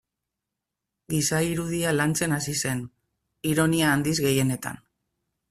Giza irudia lantzen hasi zen, ironia handiz gehienetan.